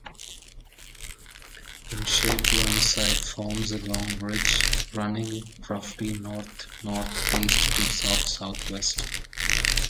In shape Whernside forms a long ridge, running roughly north-north-east to south-south-west.